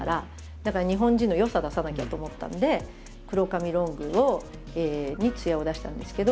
だから日本人の良さ出さなきゃと思ったんで黒髪ロングに艶を出したんですけど。